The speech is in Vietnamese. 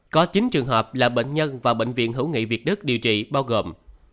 có chín trường hợp là bệnh nhân và bệnh viện hữu nghị việt đức điều trị bao gồm